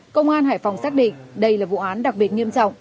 công an hải phòng xác định đây là vụ án đặc biệt nghiêm trọng